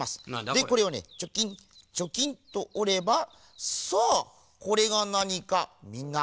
でこれをねチョキンチョキンとおればさあこれがなにかみんな「わっか」るかな？